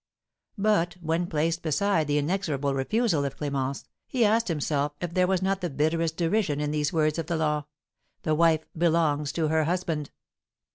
But, when placed beside the inexorable refusal of Clémence, he asked himself if there was not the bitterest derision in these words of the law: The wife belongs to her husband.